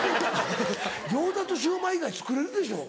餃子とシューマイ以外作れるでしょう？